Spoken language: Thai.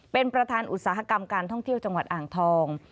เป็นประธานอุตสาหกรรมการท่องเที่ยวจังหวัดอ่างทอง